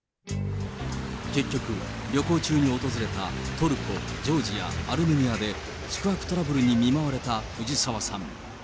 結局、旅行中に訪れたトルコ、ジョージア、アルメニアで宿泊トラブルに見舞われたふじさわさん。